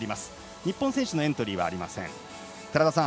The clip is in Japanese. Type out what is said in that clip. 日本選手のエントリーはありません。